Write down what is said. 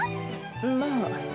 まあ。